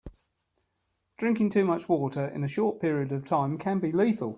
Drinking too much water in a short period of time can be lethal.